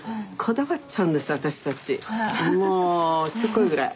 もうしつこいぐらい。